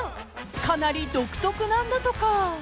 ［かなり独特なんだとか］